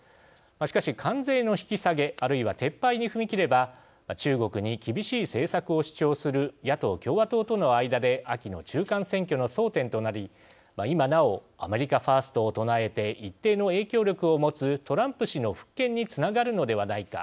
しかし、関税の引き下げあるいは撤廃に踏み切れば中国に厳しい政策を主張する野党共和党との間で秋の中間選挙の争点となり今なおアメリカファーストを唱えて一定の影響力を持つトランプ氏の復権につながるのではないか。